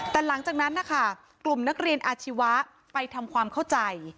แต่หลังจากนั้นนะคะกลุ่มนักเรียนอาชีวะไปทำความเข้าใจ